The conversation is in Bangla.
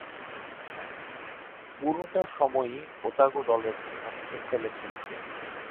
পুরোটা সময়ই ওতাগো দলের পক্ষে খেলেছেন তিনি।